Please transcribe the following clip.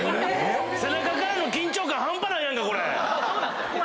背中からの緊張感半端ないこれ。